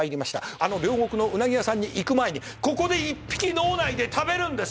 あの両国のうなぎ屋さんに行く前にここで１匹、脳内で食べるんです。